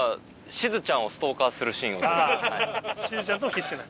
しずちゃんとはキスしない。